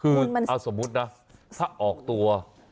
คือเอาสมมุตินะถ้าออกตัว